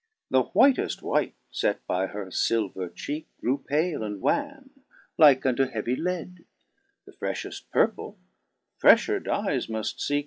5 The whiteft white, fet by her filver cheeke. Grew pale and wan, like unto heavy lead ; The freflieft purple freftier dyes muft feeke.